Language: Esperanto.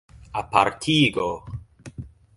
apartigo